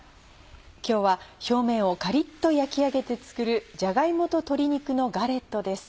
今日は表面をカリっと焼き上げて作る「じゃが芋と鶏肉のガレット」です。